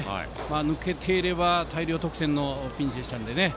抜けていれば大量得点のピンチでしたのでね。